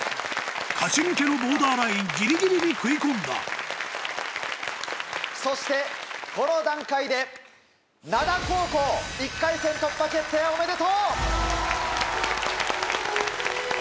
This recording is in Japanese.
勝ち抜けのボーダーラインギリギリに食い込んだそしてこの段階で灘高校１回戦突破決定おめでとう！